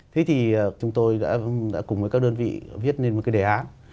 thế thì chúng tôi đã cùng với các đơn vị viết nên một cái đề án